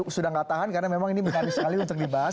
sudah tidak tahan karena memang ini menarik sekali untuk dibahas